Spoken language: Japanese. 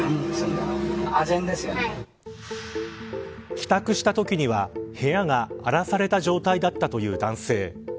帰宅したときには部屋が荒らされた状態だったという男性。